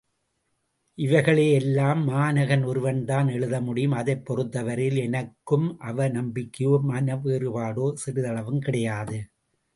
இவைகளை எல்லாம் மாணகன் ஒருவன்தான் எழுத முடியும் அதைப் பொறுத்தவரையில் எனக்கும் அவ நம்பிக்கையோ மனவேறுபாடோ சிறிதளவும் கிடையாது.